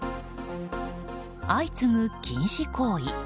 相次ぐ禁止行為。